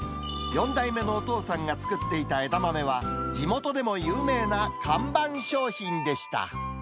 ４代目のお父さんが作っていた枝豆は、地元でも有名な看板商品でした。